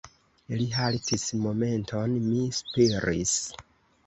Li haltis momenton; mi spiris.